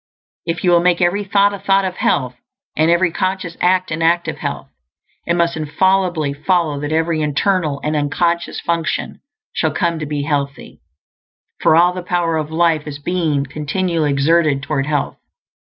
If you will make every thought a thought of health, and every conscious act an act of health, it must infallibly follow that every internal and unconscious function shall come to be healthy; for all the power of life is being continually exerted toward health.